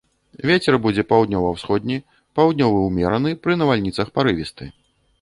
Вецер будзе паўднёва-ўсходні, паўднёвы ўмераны, пры навальніцах парывісты.